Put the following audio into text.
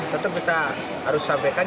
tetap kita harus sampaikan